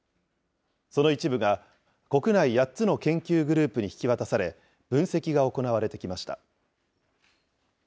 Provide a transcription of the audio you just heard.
その一部が、国内８つの研究グループに引き渡され、分析が行われてきました。